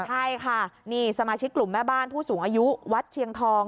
ใช่ค่ะนี่สมาชิกกลุ่มแม่บ้านผู้สูงอายุวัดเชียงทอง